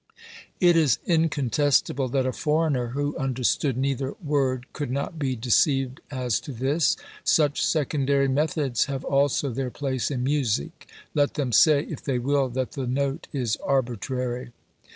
It is incontestable that a foreigner who understood neither word could not be deceived as to this. Such secondary methods have also their place in music ; let them say, if they will, that the note is arbitrary.